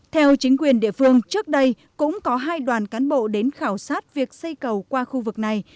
theo chính quyền địa phương trước đây cũng có hai đoàn cán bộ đến khảo sát việc xây cầu qua khu vực này